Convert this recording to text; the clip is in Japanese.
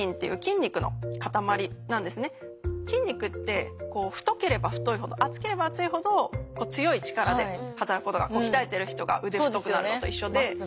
筋肉って太ければ太いほど厚ければ厚いほど強い力で働くことが鍛えてる人が腕太くなるのと一緒で。